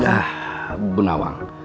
nah bunda wang